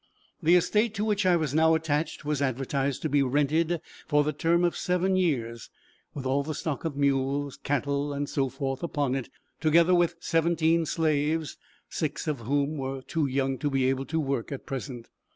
The estate to which I was now attached, was advertised to be rented for the term of seven years, with all the stock of mules, cattle, and so forth, upon it together with seventeen slaves, six of whom were too young to be able to work at present.